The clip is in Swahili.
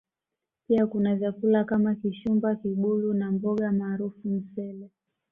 Pia kuna vyakula kama Kishumba Kibulu na mboga maarufu Msele